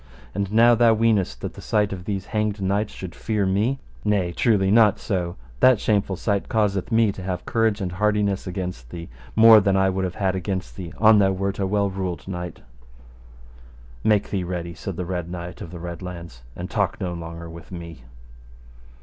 And now thou weenest that the sight of these hanged knights should fear me. Nay truly, not so; that shameful sight causeth me to have courage and hardiness against thee, more than I would have had against thee an thou wert a well ruled knight. Make thee ready, said the Red Knight of the Red Launds, and talk no longer with me.